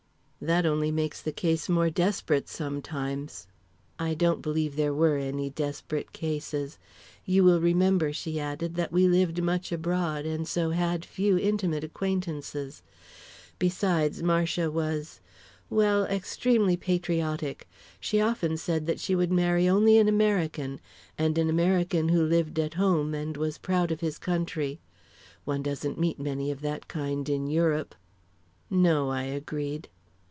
"That only makes the case more desperate sometimes." "I don't believe there were any desperate cases. You will remember," she added, "that we lived much abroad, and so had few intimate acquaintances. Besides, Marcia was well extremely patriotic. She often said that she would marry only an American and an American who lived at home and was proud of his country. One doesn't meet many of that kind in Europe." "No," I agreed.